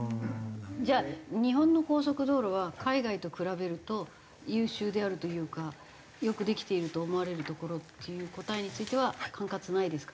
じゃあ日本の高速道路は海外と比べると優秀であるというかよくできていると思われるところっていう答えについては管轄内ですか？